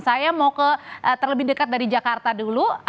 saya mau ke terlebih dekat dari jakarta dulu